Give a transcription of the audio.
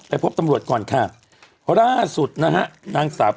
ปี๖๐กำไร๖๑๐บาทเหรอ